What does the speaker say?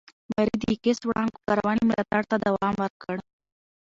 ماري د ایکس وړانګو کارونې ملاتړ ته دوام ورکړ.